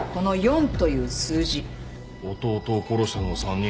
弟を殺したのは３人。